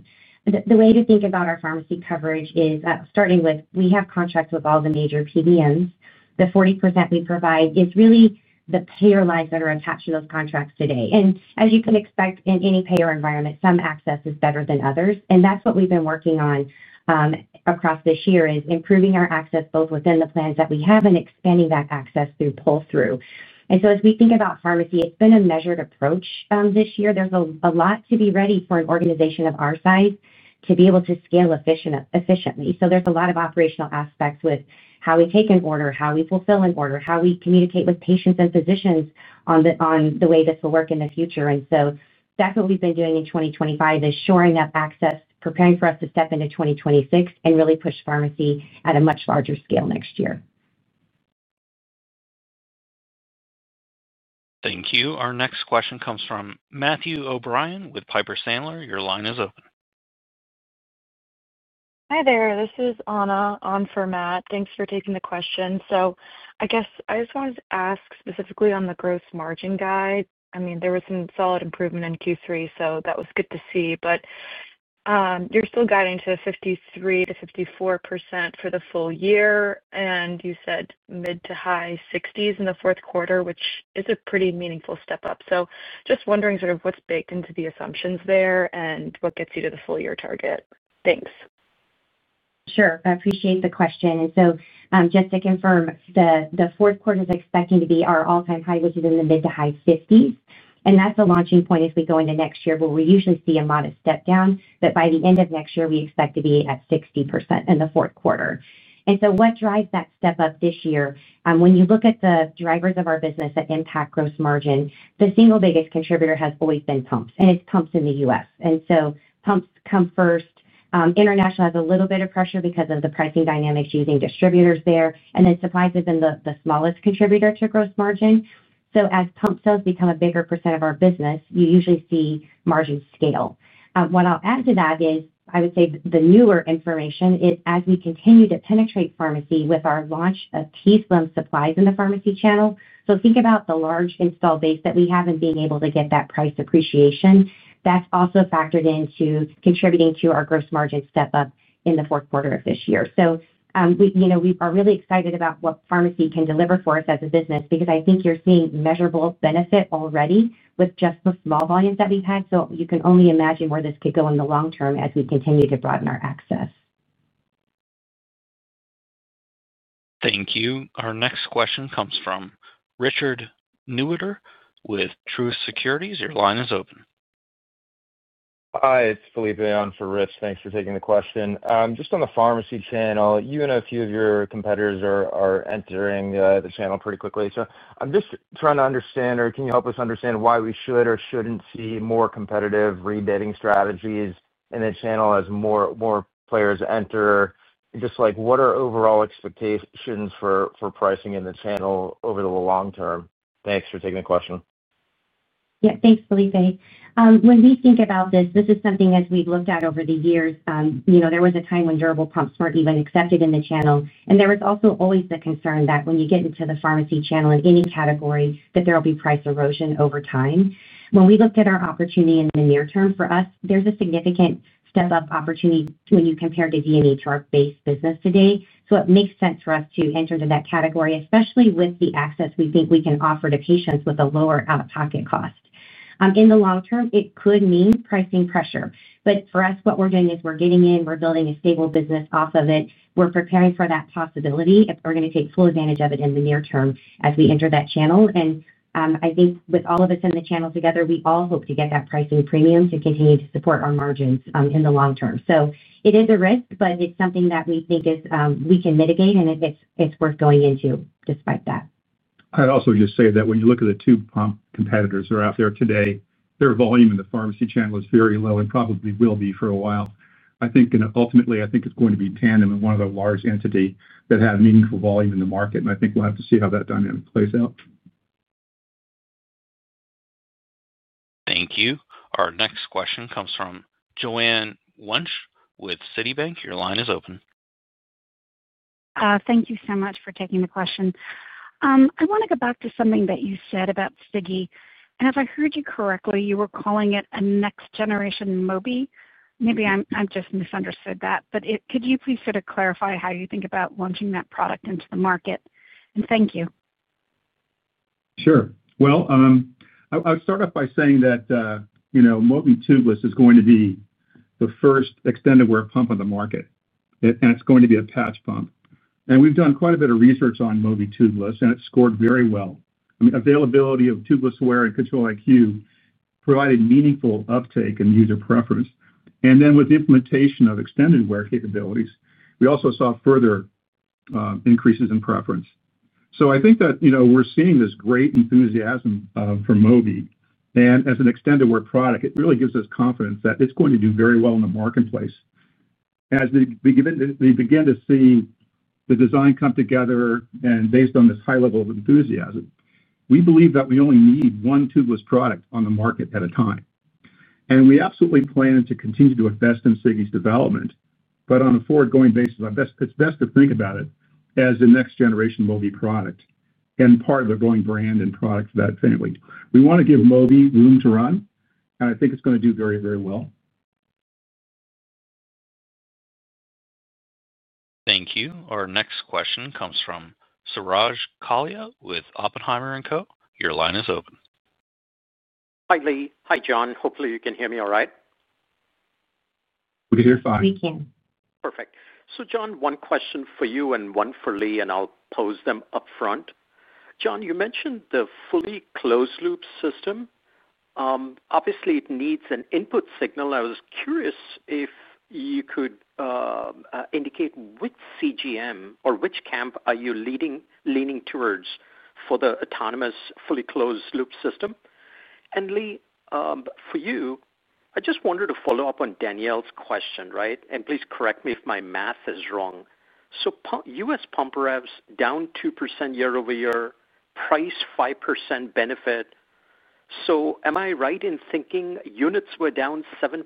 The way to think about our pharmacy coverage is starting with we have contracts with all the major PBMs. The 40% we provide is really the payer lines that are attached to those contracts today. As you can expect, in any payer environment, some access is better than others. That is what we've been working on across this year, is improving our access both within the plans that we have and expanding that access through pull-through. As we think about pharmacy, it's been a measured approach this year. There's a lot to be ready for an organization of our size to be able to scale efficiently. There is a lot of operational aspects with how we take an order, how we fulfill an order, how we communicate with patients and physicians on the way this will work in the future. That's what we've been doing in 2025, is shoring up access, preparing for us to step into 2026, and really push pharmacy at a much larger scale next year. Thank you. Our next question comes from Matthew O'Brien with Piper Sandler. Your line is open. Hi there. This is Anna on for Matt. Thanks for taking the question. I guess I just wanted to ask specifically on the gross margin guide. I mean, there was some solid improvement in Q3, so that was good to see. You're still guiding to 53%-54% for the full year. You said mid to high 60s percent in the fourth quarter, which is a pretty meaningful step up. Just wondering sort of what's baked into the assumptions there and what gets you to the full-year target. Thanks. Sure. I appreciate the question. And so, just to confirm, the fourth quarter is expecting to be our all-time high, which is in the mid to high 50s percent. And that's the launching point as we go into next year, where we usually see a modest step down. But by the end of next year, we expect to be at 60% in the fourth quarter. And so, what drives that step up this year? When you look at the drivers of our business that impact gross margin, the single biggest contributor has always been pumps, and it's pumps in the U.S. And so, pumps come first. International has a little bit of pressure because of the pricing dynamics using distributors there. And then supplies have been the smallest contributor to gross margin. So, as pump sales become a bigger percent of our business, you usually see margin scale. What I'll add to that is, I would say the newer information is as we continue to penetrate pharmacy with our launch of t:slim supplies in the pharmacy channel. Think about the large install base that we have and being able to get that price appreciation. That's also factored into contributing to our gross margin step-up in the fourth quarter of this year. We are really excited about what pharmacy can deliver for us as a business because I think you're seeing measurable benefit already with just the small volumes that we've had. You can only imagine where this could go in the long-term as we continue to broaden our access. Thank you. Our next question comes from Richard Newitter with Truist Securities. Your line is open. Hi, it's Felipe on for Rich. Thanks for taking the question. Just on the pharmacy channel, you and a few of your competitors are entering the channel pretty quickly. I'm just trying to understand, or can you help us understand why we should or shouldn't see more competitive rebetting strategies in the channel as more players enter? What are overall expectations for pricing in the channel over the long-term? Thanks for taking the question. Yeah, thanks, Felipe. When we think about this, this is something as we've looked at over the years. There was a time when durable pumps were not even accepted in the channel. There was also always the concern that when you get into the pharmacy channel in any category, there will be price erosion over time. When we looked at our opportunity in the near-term, for us, there is a significant step-up opportunity when you compare to DME to our base business today. It makes sense for us to enter into that category, especially with the access we think we can offer to patients with a lower out-of-pocket cost. In the long-term, it could mean pricing pressure. For us, what we are doing is we are getting in, we are building a stable business off of it. We're preparing for that possibility if we're going to take full advantage of it in the near-term as we enter that channel. I think with all of us in the channel together, we all hope to get that pricing premium to continue to support our margins in the long-term. It is a risk, but it's something that we think we can mitigate, and it's worth going into despite that. I'd also just say that when you look at the two pump competitors that are out there today, their volume in the pharmacy channel is very low and probably will be for a while. I think ultimately, I think it's going to be Tandem and one of the large entities that have meaningful volume in the market. I think we'll have to see how that dynamic plays out. Thank you. Our next question comes from Joanne Wuensch with Citibank. Your line is open. Thank you so much for taking the question. I want to go back to something that you said about Sigi. And if I heard you correctly, you were calling it a next-generation Mobi. Maybe I just misunderstood that. But could you please sort of clarify how you think about launching that product into the market? And thank you. Sure. I would start off by saying that Mobi Tubeless is going to be the first extended wear pump on the market. It is going to be a patch pump. We have done quite a bit of research on Mobi Tubeless, and it scored very well. I mean, availability of Tubeless wear and Control-IQ provided meaningful uptake and user preference. With the implementation of extended wear capabilities, we also saw further increases in preference. I think that we are seeing this great enthusiasm for Mobi. As an extended wear product, it really gives us confidence that it is going to do very well in the marketplace. As we begin to see the design come together and based on this high level of enthusiasm, we believe that we only need one Tubeless product on the market at a time. We absolutely plan to continue to invest in Sigi's development. On a forward-going basis, it's best to think about it as the next-generation Mobi product and part of the growing brand and product for that family. We want to give Mobi room to run. I think it's going to do very, very well. Thank you. Our next question comes from Suraj Kalia with Oppenheimer & Co. Your line is open. Hi Leigh. Hi John. Hopefully, you can hear me all right. We can hear you fine. We can. Perfect. John, one question for you and one for Leigh, and I'll pose them up front. John, you mentioned the fully closed-loop system. Obviously, it needs an input signal. I was curious if you could indicate which CGM or which camp are you leaning towards for the autonomous fully closed-loop system. Leigh, for you, I just wanted to follow up on Danielle's question, right? Please correct me if my math is wrong. U.S. pump revs down 2% year-over-year, price 5% benefit. Am I right in thinking units were down 7%?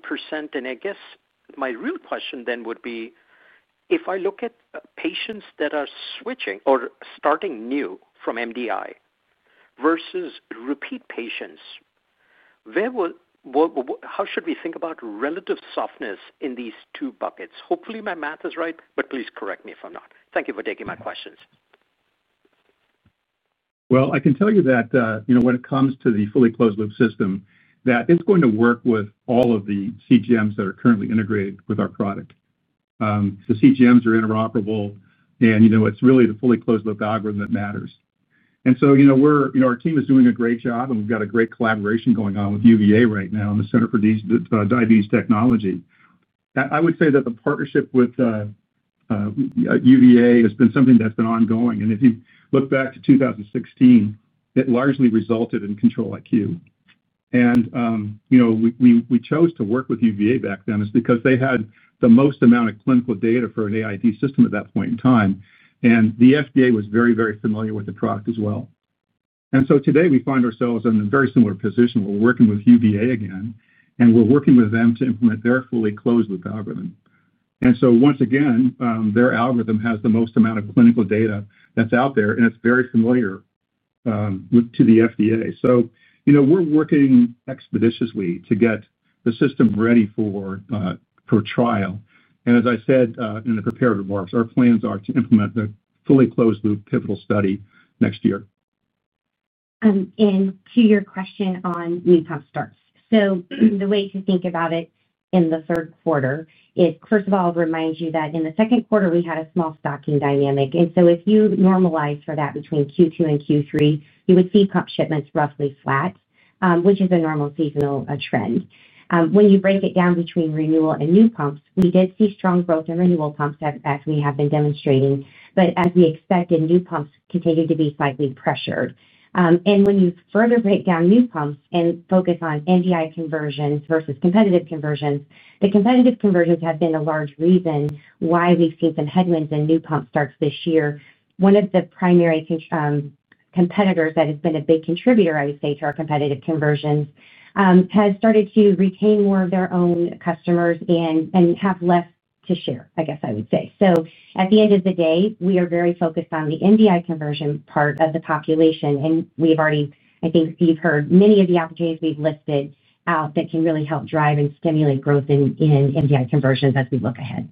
I guess my real question then would be, if I look at patients that are switching or starting new from MDI versus repeat patients, how should we think about relative softness in these two buckets? Hopefully, my math is right, but please correct me if I'm not. Thank you for taking my questions. I can tell you that when it comes to the fully closed-loop system, that it's going to work with all of the CGMs that are currently integrated with our product. The CGMs are interoperable, and it's really the fully closed-loop algorithm that matters. Our team is doing a great job, and we've got a great collaboration going on with UVA right now in the Center for Diabetes Technology. I would say that the partnership with UVA has been something that's been ongoing. If you look back to 2016, it largely resulted in Control-IQ. We chose to work with UVA back then because they had the most amount of clinical data for an AID system at that point in time. The FDA was very, very familiar with the product as well. Today, we find ourselves in a very similar position. We're working with UVA again, and we're working with them to implement their fully closed-loop algorithm. Once again, their algorithm has the most amount of clinical data that's out there, and it's very familiar to the FDA. We're working expeditiously to get the system ready for trial. As I said in the preparatory remarks, our plans are to implement the fully closed-loop pivotal study next year. To your question on new pump starts. The way to think about it in the third quarter is, first of all, remind you that in the second quarter, we had a small stocking dynamic. If you normalize for that between Q2 and Q3, you would see pump shipments roughly flat, which is a normal seasonal trend. When you break it down between renewal and new pumps, we did see strong growth in renewal pumps as we have been demonstrating. As we expected, new pumps continue to be slightly pressured. When you further break down new pumps and focus on MDI conversions versus competitive conversions, the competitive conversions have been a large reason why we've seen some headwinds in new pump starts this year. One of the primary competitors that has been a big contributor, I would say, to our competitive conversions. Has started to retain more of their own customers and have less to share, I guess I would say. At the end of the day, we are very focused on the MDI conversion part of the population. And we've already, I think you've heard many of the opportunities we've listed out that can really help drive and stimulate growth in MDI conversions as we look ahead.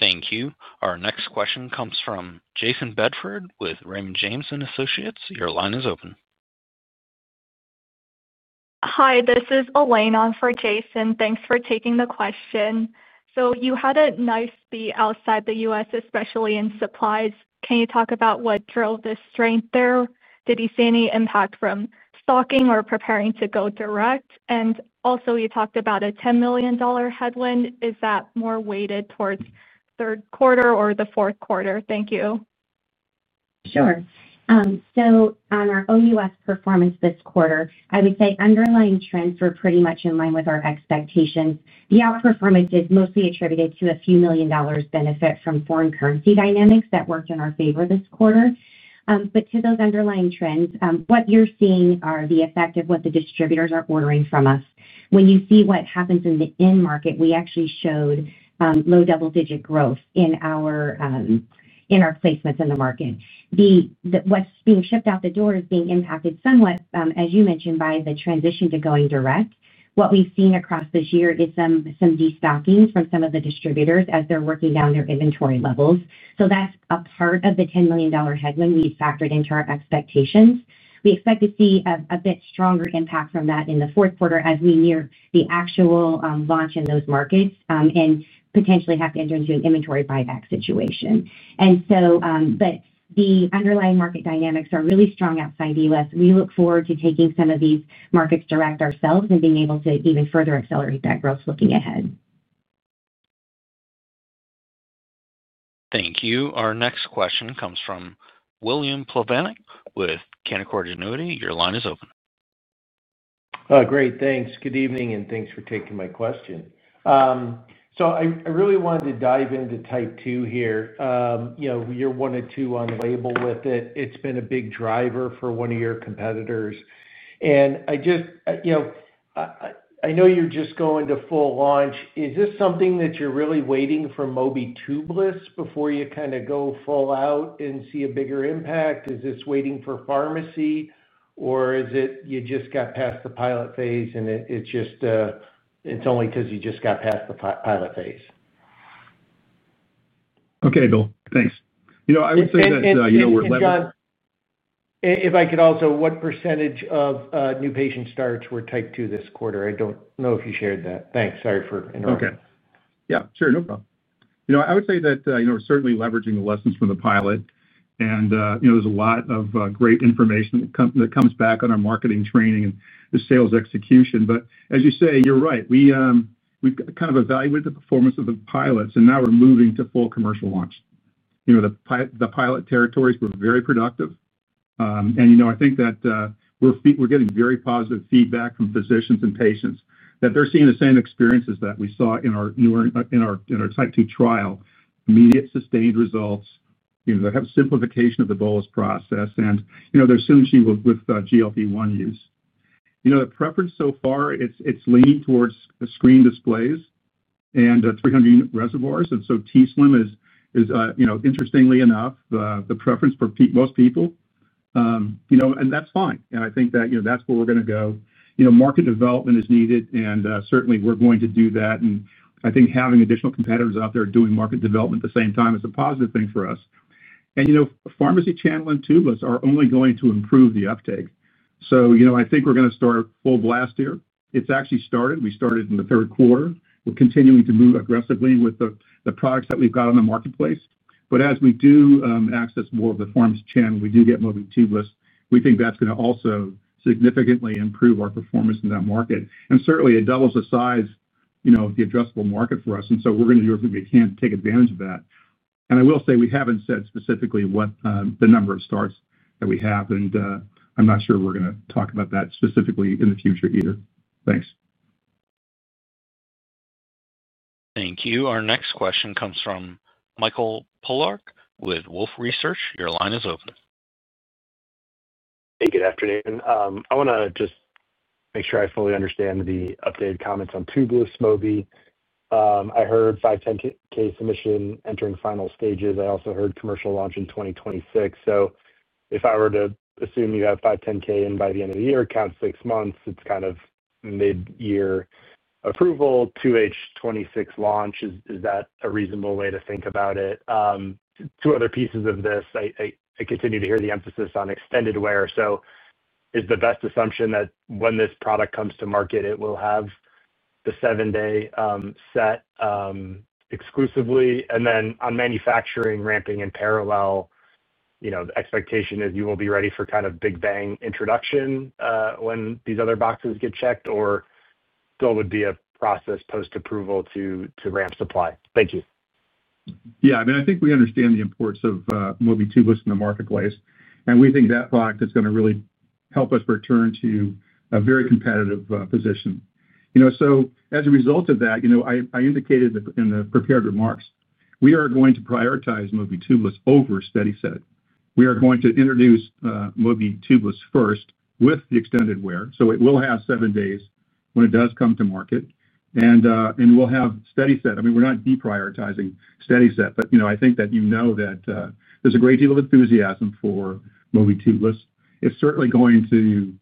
Thank you. Our next question comes from Jayson Bedford with Raymond James & Associates. Your line is open. Hi, this is Elaine on for Jayson. Thanks for taking the question. You had a nice beat outside the U.S., especially in supplies. Can you talk about what drove this strength there? Did you see any impact from stocking or preparing to go direct? Also, you talked about a $10 million headwind. Is that more weighted towards third quarter or the fourth quarter? Thank you. Sure. On our OUS performance this quarter, I would say underlying trends were pretty much in line with our expectations. The outperformance is mostly attributed to a few million dollars benefit from foreign currency dynamics that worked in our favor this quarter. To those underlying trends, what you're seeing are the effect of what the distributors are ordering from us. When you see what happens in the end market, we actually showed low double-digit growth in our placements in the market. What's being shipped out the door is being impacted somewhat, as you mentioned, by the transition to going direct. What we've seen across this year is some destocking from some of the distributors as they're working down their inventory levels. That's a part of the $10 million headwind we've factored into our expectations. We expect to see a bit stronger impact from that in the fourth quarter as we near the actual launch in those markets and potentially have to enter into an inventory buyback situation. The underlying market dynamics are really strong outside the U.S. We look forward to taking some of these markets direct ourselves and being able to even further accelerate that growth looking ahead. Thank you. Our next question comes from William Plovanicwith Canaccord Genuity. Your line is open. Great. Thanks. Good evening, and thanks for taking my question. I really wanted to dive into Type 2 here. You're one of two on the label with it. It's been a big driver for one of your competitors. I know you're just going to full launch. Is this something that you're really waiting for Mobi Tubeless before you kind of go full out and see a bigger impact? Is this waiting for pharmacy, or is it you just got past the pilot phase and it's only because you just got past the pilot phase? Okay, Bill. Thanks. I would say that we're leveling. If I could also, what percentage of new patient starts were Type 2 this quarter? I don't know if you shared that. Thanks. Sorry for interrupting. Okay. Yeah, sure. No problem. I would say that we're certainly leveraging the lessons from the pilot. And there's a lot of great information that comes back on our marketing training and the sales execution. But as you say, you're right. We've kind of evaluated the performance of the pilots, and now we're moving to full commercial launch. The pilot territories were very productive. I think that we're getting very positive feedback from physicians and patients that they're seeing the same experiences that we saw in our Type 2 trial: immediate sustained results, the simplification of the bolus process, and their soon achievable with GLP-1 use. The preference so far, it's leaning towards the screen displays and 300-unit reservoirs. T:slim is, interestingly enough, the preference for most people. That's fine. I think that that's where we're going to go. Market development is needed, and certainly we're going to do that. I think having additional competitors out there doing market development at the same time is a positive thing for us. Pharmacy channel and Tubeless are only going to improve the uptake. I think we're going to start full blast here. It's actually started. We started in the third quarter. We're continuing to move aggressively with the products that we've got on the marketplace. As we do access more of the pharmacy channel, we do get Mobi Tubeless. We think that's going to also significantly improve our performance in that market. It doubles the size of the addressable market for us. We're going to do everything we can to take advantage of that. I will say we haven't said specifically what the number of starts that we have. I'm not sure we're going to talk about that specifically in the future either. Thanks. Thank you. Our next question comes from Michael Polark with Wolfe Research. Your line is open. Hey, good afternoon. I want to just make sure I fully understand the updated comments on Tubeless Mobi. I heard 510(k) submission entering final stages. I also heard commercial launch in 2026. If I were to assume you have 510(k) in by the end of the year, count six months, it's kind of mid-year approval, 2H 2026 launch. Is that a reasonable way to think about it? Two other pieces of this, I continue to hear the emphasis on extended wear. Is the best assumption that when this product comes to market, it will have the seven-day set exclusively? On manufacturing, ramping in parallel, the expectation is you will be ready for kind of big bang introduction when these other boxes get checked or still would be a process post-approval to ramp supply. Thank you. Yeah. I mean, I think we understand the importance of Mobi Tubeless in the marketplace. We think that product is going to really help us return to a very competitive position. As a result of that, I indicated in the prepared remarks, we are going to prioritize Mobi Tubeless over SteadiSet. We are going to introduce Mobi Tubeless first with the extended wear. It will have seven days when it does come to market. We will have SteadiSet. I mean, we're not deprioritizing SteadiSet, but I think that you know that there's a great deal of enthusiasm for Mobi Tubeless. It's certainly going to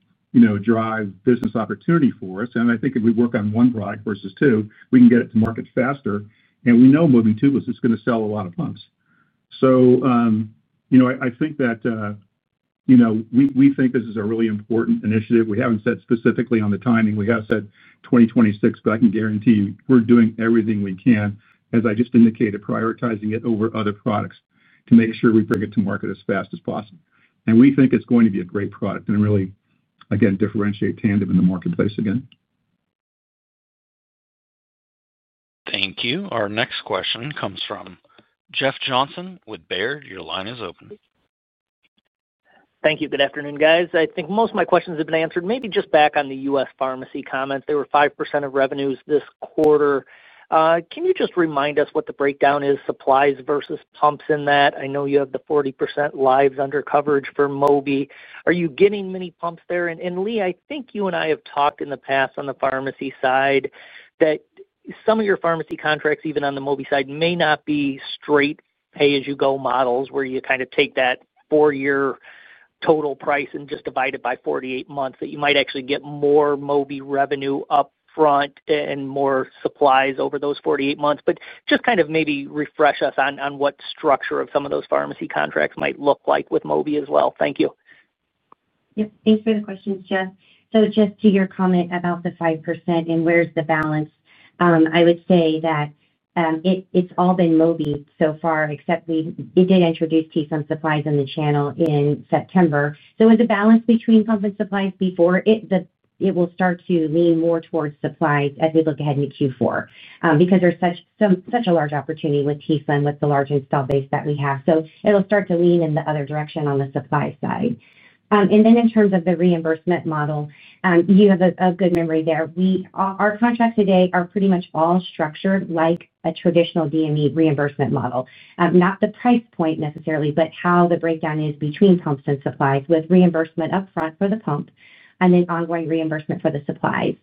drive business opportunity for us. I think if we work on one product versus two, we can get it to market faster. We know Mobi Tubeless is going to sell a lot of pumps. I think that. We think this is a really important initiative. We have not said specifically on the timing. We have said 2026, but I can guarantee you we are doing everything we can, as I just indicated, prioritizing it over other products to make sure we bring it to market as fast as possible. We think it is going to be a great product and really, again, differentiate Tandem in the marketplace again. Thank you. Our next question comes from Jeff Johnson with Baird. Your line is open. Thank you. Good afternoon, guys. I think most of my questions have been answered. Maybe just back on the U.S. pharmacy comments. There were 5% of revenues this quarter. Can you just remind us what the breakdown is, supplies versus pumps in that? I know you have the 40% lives under coverage for Mobi. Are you getting many pumps there? And Leigh, I think you and I have talked in the past on the pharmacy side that some of your pharmacy contracts, even on the Mobi side, may not be straight pay-as-you-go models where you kind of take that four-year total price and just divide it by 48 months, that you might actually get more Mobi revenue upfront and more supplies over those 48 months. Just kind of maybe refresh us on what structure of some of those pharmacy contracts might look like with Mobi as well. Thank you. Yep. Thanks for the questions, Jeff. Just to your comment about the 5% and where's the balance, I would say that it's all been Mobi so far, except we did introduce t:slim supplies in the channel in September. It was a balance between pump and supplies before. It will start to lean more towards supplies as we look ahead into Q4 because there's such a large opportunity with t:slim with the large install base that we have. It'll start to lean in the other direction on the supply side. In terms of the reimbursement model, you have a good memory there. Our contracts today are pretty much all structured like a traditional DME reimbursement model. Not the price point necessarily, but how the breakdown is between pumps and supplies with reimbursement upfront for the pump and then ongoing reimbursement for the supplies.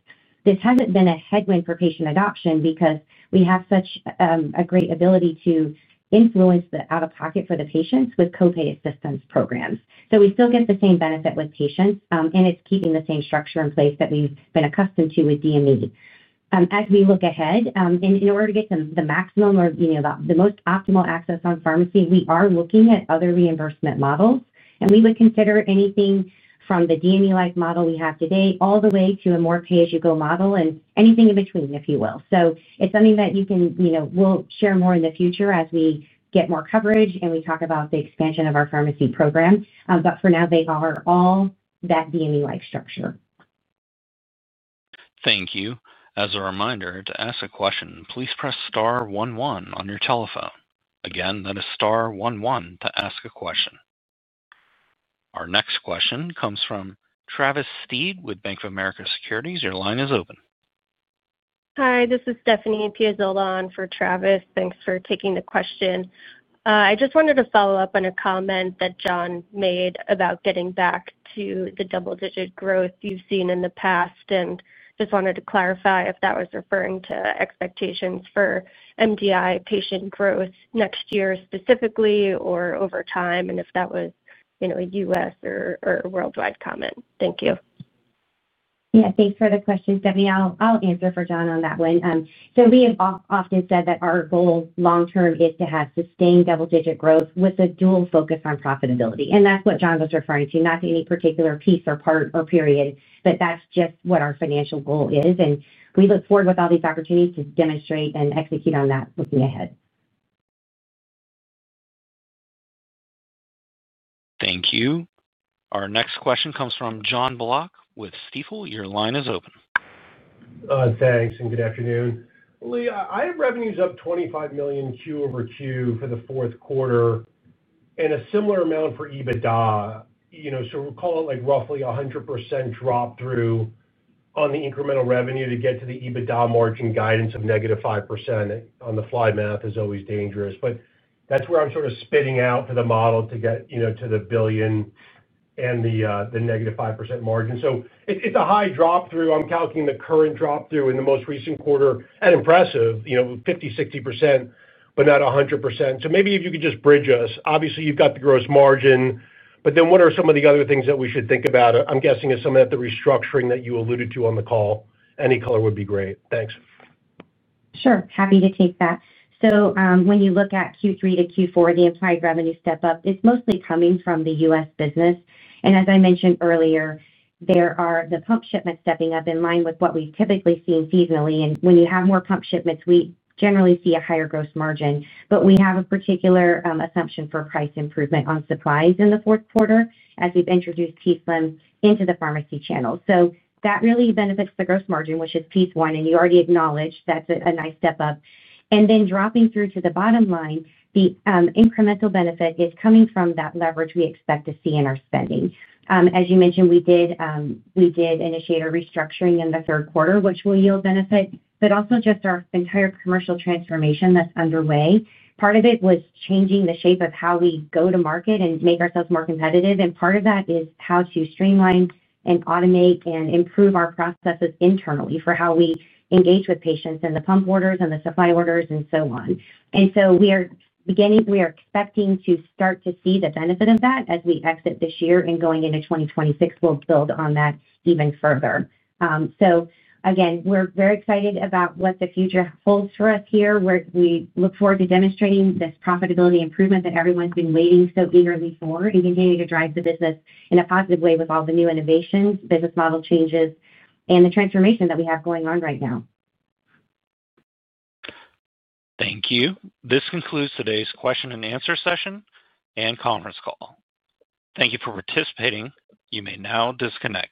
This hasn't been a headwind for patient adoption because we have such a great ability to influence the out-of-pocket for the patients with copay assistance programs. We still get the same benefit with patients, and it's keeping the same structure in place that we've been accustomed to with DME. As we look ahead, in order to get the maximum or the most optimal access on pharmacy, we are looking at other reimbursement models. We would consider anything from the DME-like model we have today all the way to a more pay-as-you-go model and anything in between, if you will. It's something that we'll share more in the future as we get more coverage and we talk about the expansion of our pharmacy program. For now, they are all that DME-like structure. Thank you. As a reminder, to ask a question, please press star one one on your telephone. Again, that is star one one to ask a question. Our next question comes from Travis Steed with Bank of America Securities. Your line is open. Hi, this is Stephanie Piazzola on for Travis. Thanks for taking the question. I just wanted to follow up on a comment that John made about getting back to the double-digit growth you've seen in the past and just wanted to clarify if that was referring to expectations for MDI patient growth next year specifically or over time and if that was U.S. or worldwide comment. Thank you. Yeah, thanks for the question, Stephanie. I'll answer for John on that one. We have often said that our goal long-term is to have sustained double-digit growth with a dual focus on profitability. That is what John was referring to, not to any particular piece or part or period, but that is just what our financial goal is. We look forward with all these opportunities to demonstrate and execute on that looking ahead. Thank you. Our next question comes from John Block with Stifel. Your line is open. Thanks and good afternoon. Leigh, I have revenues up $25 million Q over Q for the fourth quarter and a similar amount for EBITDA. We'll call it like roughly 100% drop through on the incremental revenue to get to the EBITDA margin guidance of -5%. On the fly math is always dangerous. That is where I'm sort of spitting out for the model to get to the $1 billion and the -5% margin. It is a high drop through. I'm calculating the current drop through in the most recent quarter at impressive, 50%, 60%, but not 100%. Maybe if you could just bridge us. Obviously, you have the gross margin, but then what are some of the other things that we should think about? I'm guessing it is some of the restructuring that you alluded to on the call. Any color would be great. Thanks. Sure. Happy to take that. When you look at Q3 to Q4, the implied revenue step up, it's mostly coming from the U.S. business. As I mentioned earlier, there are the pump shipments stepping up in line with what we've typically seen seasonally. When you have more pump shipments, we generally see a higher gross margin. We have a particular assumption for price improvement on supplies in the fourth quarter as we've introduced t:slim into the pharmacy channel. That really benefits the gross margin, which is piece one. You already acknowledged that's a nice step up. Dropping through to the bottom line, the incremental benefit is coming from that leverage we expect to see in our spending. As you mentioned, we did initiate a restructuring in the third quarter, which will yield benefit, but also just our entire commercial transformation that's underway. Part of it was changing the shape of how we go to market and make ourselves more competitive. Part of that is how to streamline and automate and improve our processes internally for how we engage with patients and the pump orders and the supply orders and so on. We are beginning, we are expecting to start to see the benefit of that as we exit this year and going into 2026, we'll build on that even further. Again, we're very excited about what the future holds for us here, where we look forward to demonstrating this profitability improvement that everyone's been waiting so eagerly for and continuing to drive the business in a positive way with all the new innovations, business model changes, and the transformation that we have going on right now. Thank you. This concludes today's question-and-answer session and conference call. Thank you for participating. You may now disconnect.